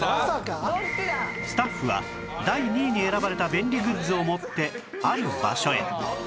スタッフは第２位に選ばれた便利グッズを持ってある場所へ